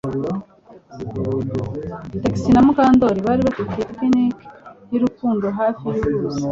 Trix na Mukandoli bari bafite picnic yurukundo hafi yuruzi